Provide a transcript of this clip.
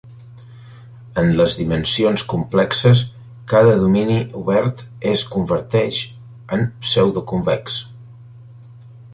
En les dimensions complexes cada domini obert és converteix en pseudoconvex.